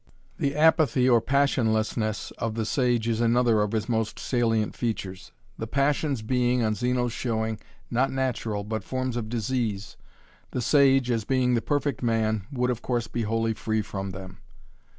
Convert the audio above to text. The apathy or passionlessness of the sage is another of his most salient features. The passions being, on Zeno's showing, not natural, but forms of disease, the sage, as being the perfect man, would of course be wholly free from them.